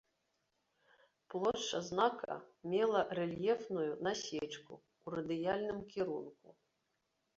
Плошча знака мела рэльефную насечку ў радыяльным кірунку.